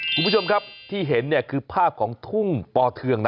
คุณผู้ชมครับที่เห็นคือภาพของทุ่งปอเทือง